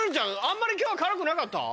あんまり今日は辛くなかった？